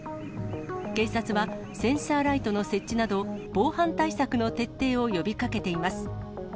警察は、センサーライトの設置など、防犯対策の徹底を呼びかけています。